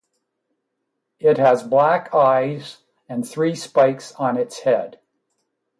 It has black eyes and three spikes on its head.